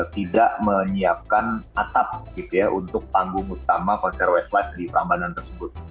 tidak menyiapkan atap untuk panggung utama konser westwatch di prambanan tersebut